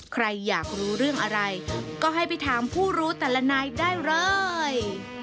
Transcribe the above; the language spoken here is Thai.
ใครอยากรู้เรื่องอะไรก็ให้ไปถามผู้รู้แต่ละนายได้เลย